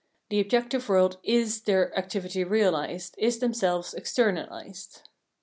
The objective world is their activity realised, is themselves " externalised."